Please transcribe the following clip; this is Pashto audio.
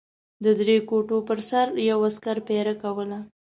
د درې کوټو پر سر یو عسکر پېره کوله.